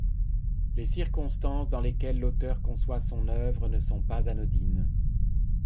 Les circonstances dans lesquelles l'auteur conçoit son œuvre ne sont pas anodines.